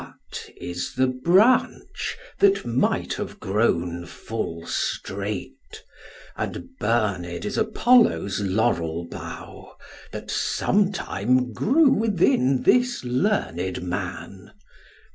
Cut is the branch that might have grown full straight, And burned is Apollo's laurel bough, That sometime grew within this learned man.